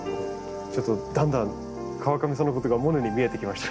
ちょっとだんだん川上さんのことがモネに見えてきました。